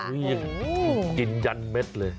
อุ้ยยินยันเม็ดเลย